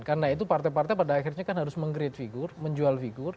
karena itu partai partai pada akhirnya kan harus meng create figur menjual figur